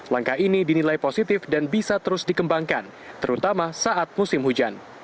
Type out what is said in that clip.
langkah ini dinilai positif dan bisa terus dikembangkan terutama saat musim hujan